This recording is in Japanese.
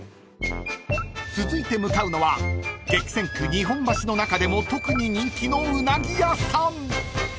［続いて向かうのは激戦区日本橋の中でも特に人気のうなぎ屋さん］